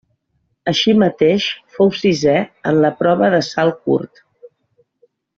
Així mateix fou sisè en la prova de salt curt.